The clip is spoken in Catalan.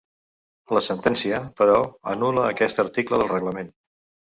La sentència, però, anul·la aquest article del reglament.